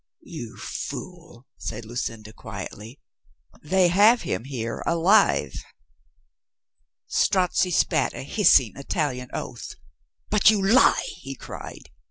"You fool," said Lucinda quietly ; "they have him here alive." Strozzi spat a hissing Italian oath. "But you lie!" he cried.